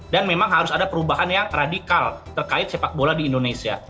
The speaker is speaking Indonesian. dan memang harus ada perubahan yang radikal terkait sepak bola di indonesia